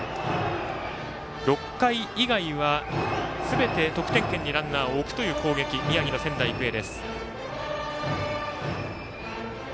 ６回以外はすべて得点圏にランナーを置くという攻撃宮城の仙台育英。